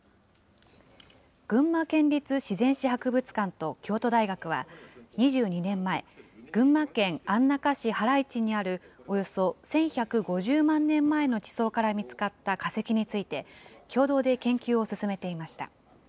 群馬県立自然史博物館と京都大学は、２２年前、群馬県安中市原市にあるおよそ１１５０万年前の地層から見つかった化石について、共同で研究を進めていました。